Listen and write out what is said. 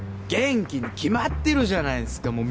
元気に決まってるじゃないっすか